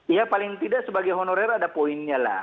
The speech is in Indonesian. ya paling tidak sebagai honorer ada poinnya lah